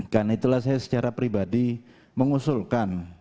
karena itulah saya secara pribadi mengusulkan